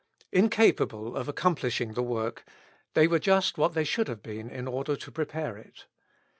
Incapable of accomplishing the work, they were just what they should have been in order to prepare it.